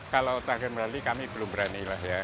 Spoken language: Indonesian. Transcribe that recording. kalau target medali kami belum berani lah ya